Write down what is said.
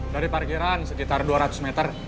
dari parkiran sekitar dua ratus meter